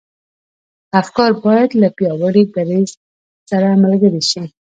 افکار بايد له پياوړي دريځ سره ملګري شي.